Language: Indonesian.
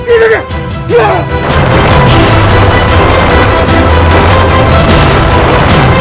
tidak ada yang tahu